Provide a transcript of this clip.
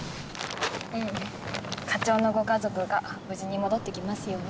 うん課長のご家族が無事に戻って来ますように。